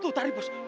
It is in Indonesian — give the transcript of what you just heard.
tuh tadi bos